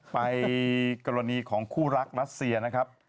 กรณีของคู่รักรัสเซียนะครับ